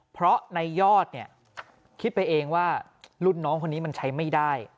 เพราะในยอดเนี่ยคิดไปเองว่ารุ่นน้องคนนี้มันใช้ไม่ได้